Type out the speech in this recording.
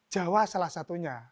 jawa salah satunya